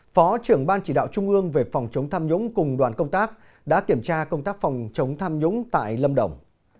phó trưởng ban chỉ đạo trung ương về phòng chống tham nhũng cùng đoàn công tác đã kiểm tra công tác phòng chống tham nhũng tại lâm đồng